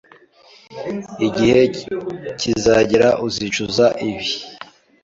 Igihe kizagera uzicuza ibi